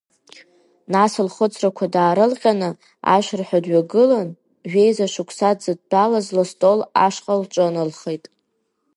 Нас лхәыцрақәа даарылҟьаны ашырҳәа дҩагылан, жәеиза шықәса дзыдтәалаз лыстол ашҟа лҿыналхеит.